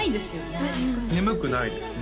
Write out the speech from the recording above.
確かに眠くないですね